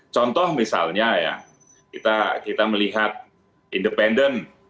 contoh misalnya ya kita melihat independen